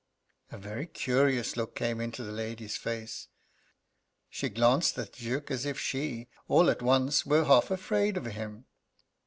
A very curious look came into the lady's face. She glanced at the Duke as if she, all at once, were half afraid of him.